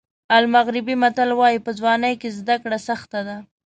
المغربي متل وایي په ځوانۍ کې زده کړه سخته ده.